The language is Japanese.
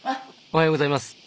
おはようございます。